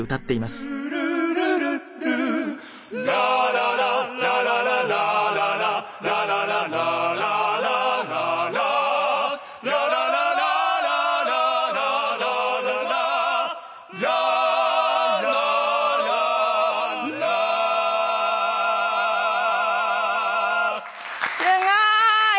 すごーい！